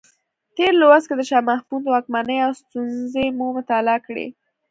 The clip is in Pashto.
تېر لوست کې د شاه محمود واکمنۍ او ستونزې مو مطالعه کړې.